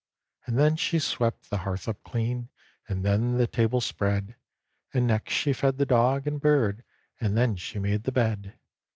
And then she swept the hearth up clean, And then the table spread, And next she fed the dog and bird, And then she made the bed.